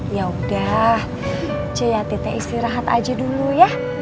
yaudah ce ya tete istirahat aja dulu ya